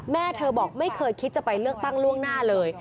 แม่เธอบอกไม่เคยคิดจะไปเลือกตั้งล่วงหน้าเลย